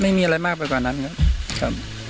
ไม่มีอะไรมากไปกว่านั้นครับ